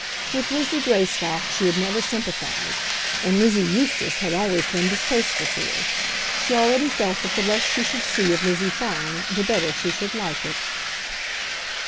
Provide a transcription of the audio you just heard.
With Lizzie Greystock she had never sympathised, and Lizzie Eustace had always been distasteful to her. She already felt that the less she should see of Lizzie Fawn the better she should like it.